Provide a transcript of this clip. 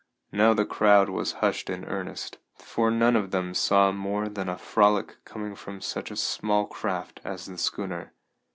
Now the crowd was hushed in earnest, for none of them saw more than a frolic coming from such a small craft as the schooner.